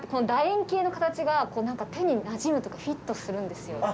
円形の形が手になじむとかフィットするんですよ。